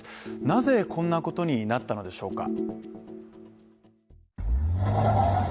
なぜ、こんなことになったのでしょうか。